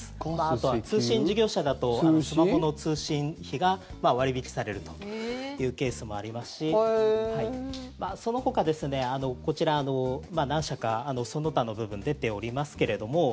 あとは通信事業者だとこの通信費が割引されるというケースもありますしそのほかこちら、何社かその他の部分、出ていますが何？